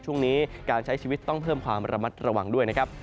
ช่วงนี้การใช้ชีวิตต้องเพิ่มความระมัดระวังด้วยนะครับ